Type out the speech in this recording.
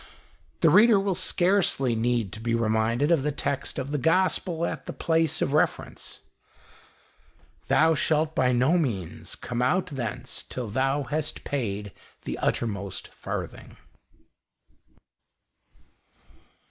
The reader will scarcely need to be reminded of the text of the Gospel at the place of reference —" Thou shalt by no means come out thence till thou hast paid the uttermost farthing."